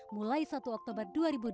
mulai satu oktober dua ribu dua puluh